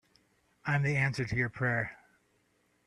I'm the answer to your prayer.